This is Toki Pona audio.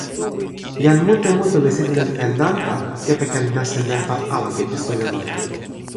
jan mute mute li sitelen e nanpa kepeken nasin nanpa Alapi pi suli lon.